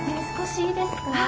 少しいいですか？